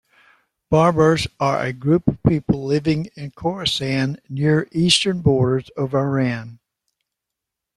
Barbars are a group of people living in Khorasan near eastern borders of Iran.